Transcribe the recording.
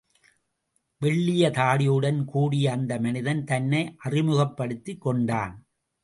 வெள்ளிய தாடியுடன் கூடிய அந்த மனிதன் தன்னை அறிமுகப் படுத்திக் கொண்டான்.